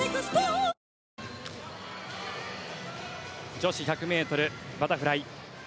女子１００ｍバタフライ。